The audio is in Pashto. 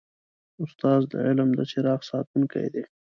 استاد د علم د څراغ ساتونکی دی.